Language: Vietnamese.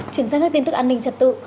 chuyển sang các tin tức an ninh trật tự